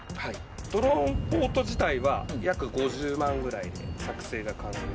ドローンポート自体は約５０万ぐらいで作成が可能で。